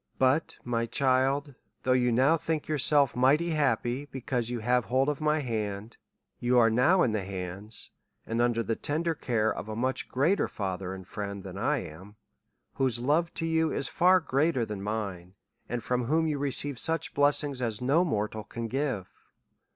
But, my child, though you now think yourself mighty happy, because you have hold of my hand, you are now in the hands, and under the care of a much greater Father and Friend than I am, whose love to you is far greater than mine, and from whom you re ceive such blessings as no mortal can give.